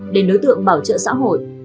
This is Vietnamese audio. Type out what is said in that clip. đối với đối tượng bảo trợ xã hội